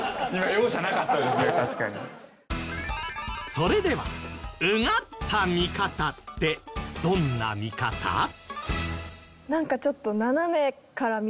それでは「うがった見方」ってどんな見方？なんかちょっと。